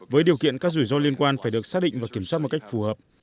với điều kiện các rủi ro liên quan phải được xác định và kiểm soát một cách phù hợp